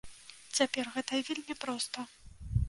Цяпер гэта вельмі проста!